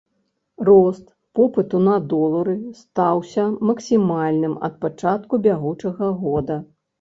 Рост попыту на долары стаўся максімальным ад пачатку бягучага года.